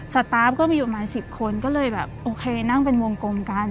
สตาร์ฟก็มีอยู่ประมาณ๑๐คนก็เลยแบบโอเคนั่งเป็นวงกลมกัน